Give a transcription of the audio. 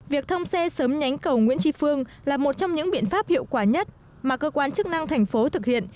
việc thông xe sớm nhánh cầu nguyễn tri phương là một trong những biện pháp hiệu quả nhất mà cơ quan chức năng thành phố thực hiện